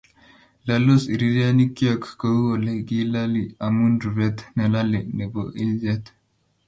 Laldos irireenikyok ko uu ole kilaali amu rubeet ne lalei ne po iljet.